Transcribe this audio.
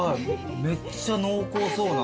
めっちゃ濃厚そうな。